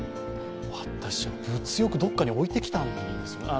私は物欲、どこかに置いてきたんですよ。